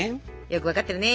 よくわかってるね。